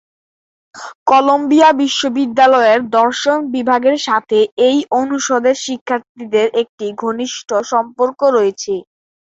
Colombia বিশ্ববিদ্যালয়ের দর্শন বিভাগের সাথে এই অনুষদের শিক্ষার্থীদের একটি ঘনিষ্ঠ সম্পর্ক রয়েছে।